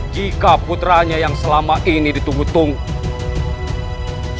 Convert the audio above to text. jika putranya yang selama ini ditunggu tunggu